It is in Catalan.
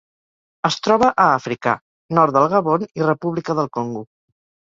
Es troba a Àfrica: nord del Gabon i República del Congo.